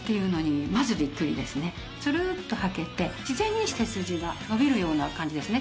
スルッとはけて自然に背筋が伸びるような感じですね。